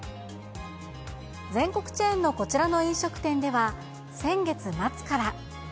全国チェーンのこちらの飲食店では先月末から。